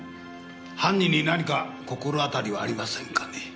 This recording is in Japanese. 犯人に何か心当たりはありませんかね？